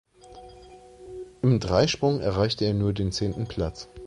Im Dreisprung erreichte er nur den zehnten Platz.